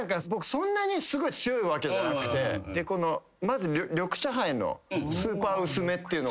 そんなにすごい強いわけじゃなくてまず緑茶ハイのスーパー薄め。